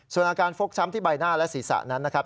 ส่วนอาการฟกช้ำที่ใบหน้าและศีรษะนั้นนะครับ